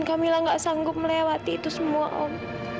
dan kamila gak sanggup melewati itu semua om